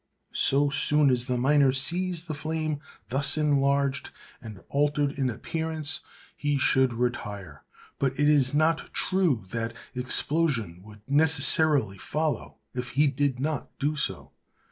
So soon as the miner sees the flame thus enlarged and altered in appearance he should retire. But it is not true that explosion would necessarily follow if he did not do so.